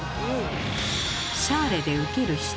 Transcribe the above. シャーレで受ける人。